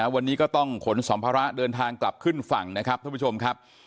วันนี้ก็ต้องขนสัมภาระเดินทางกลับขึ้นฝั่งนะครับท่านผู้ชมครับ